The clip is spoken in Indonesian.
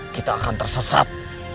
kita akan tersesat